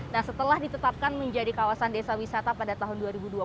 nah setelah ditetapkan menjadi kawasan desa wisata pada tahun dua ribu dua puluh